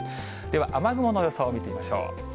では雨雲の予想を見てみましょう。